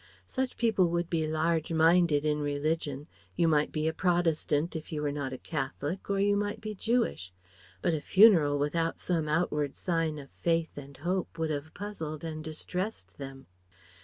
Such people would be large minded in religion you might be Protestant, if you were not Catholic, or you might be Jewish; but a funeral without some outward sign of faith and hope would have puzzled and distressed them.